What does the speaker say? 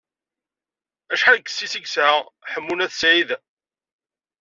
Acḥal n yessi-s ay yesɛa Ḥemmu n At Sɛid?